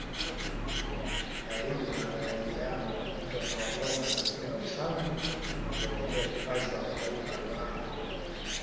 Karibu na Ngâiriama mto unatoka katika Usangu na kuingia hifadhi ya kitaifa ya Ruaha